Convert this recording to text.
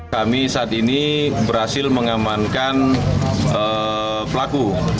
yang keras yang keras sih pak